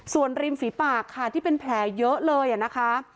ส่วนริมฝีปากค่ะที่เป็นแผลเยอะเลยนะคะ